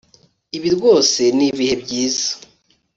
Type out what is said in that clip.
Ibi rwose ni ibihe byiza